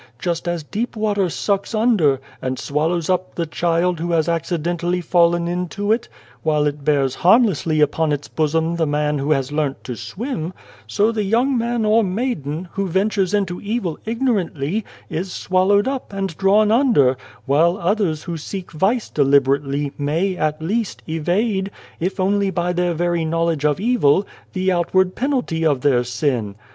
Just as deep water sucks under, and swallows up the child who has accidentally fallen into it, while it bears harmlessly upon its bosom the man who has learnt to swim, so the young man or maiden, who ventures into evil ignorantly, is swallowed up and drawn under, while others who seek vice deliberately, may, at least, evade if only by their very knowledge of evil the outward penalty of their sin.